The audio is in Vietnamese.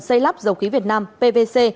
xây lắp dầu khí việt nam pvc